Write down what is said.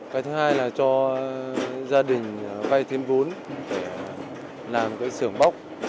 cái thứ hai là cho gia đình vay thêm vốn để làm cái sưởng bóc